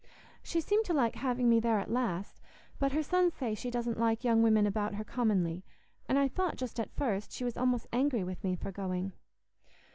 "She seemed to like having me there at last; but her sons say she doesn't like young women about her commonly; and I thought just at first she was almost angry with me for going."